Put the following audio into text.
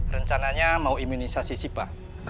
rencananya mau imunisasi sipa